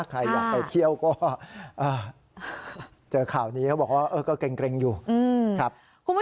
ใครอยากไปเที่ยวก็เจอข่าวนี้เขาบอกว่าก็เกร็งอยู่ครับ